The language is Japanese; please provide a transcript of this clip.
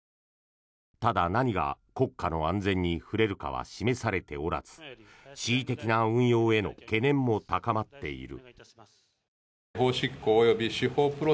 ただ、何が国家の安全に触れるかは示されておらず恣意的な運用への懸念も高まっている。